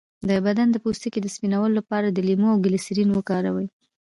د بدن د پوستکي د سپینولو لپاره د لیمو او ګلسرین وکاروئ